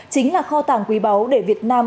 chính là kho tàng quý báu để việt nam